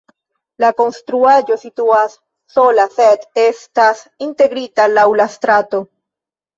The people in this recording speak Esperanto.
La konstruaĵo situas sola, sed estas integrita laŭ la strato.